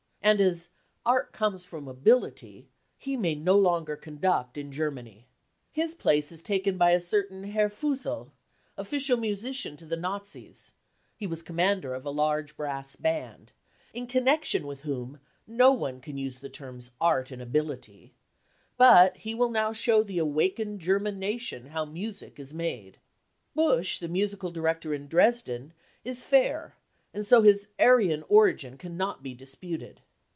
And as " Art homes from ability," he may no longer conduct in Germany. His place is taken by a certain Herr Fuhsel, official musician to the Nazis (he was commander of a large brass band), in connection with whom no one can use the terms art and ability ; but he will now show the awakened German nation how music is made, Busch, the musical director in Dresden, is fair, and so his " Aryan 55 origin cannot be disputed.